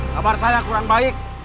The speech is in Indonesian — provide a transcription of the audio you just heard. kabar saya kurang baik